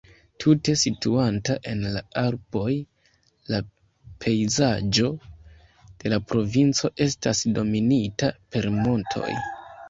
Tute situanta en la Alpoj, la pejzaĝo de la provinco estas dominita per montoj.